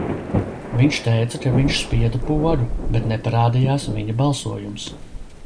Viņš teica, ka viņš spieda pogu, bet neparādījās viņa balsojums.